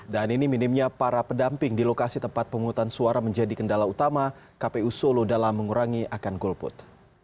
dan ini minimnya para pedamping di lokasi tempat penghutang suara menjadi kendala utama kpu solo dalam mengurangi akan golput